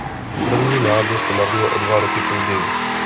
První mládě se narodilo o dva roky později.